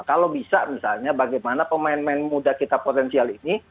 kalau bisa misalnya bagaimana pemain pemain muda kita potensial ini